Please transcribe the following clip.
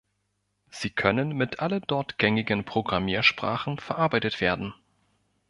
Sie können mit allen dort gängigen Programmiersprachen verarbeitet werden.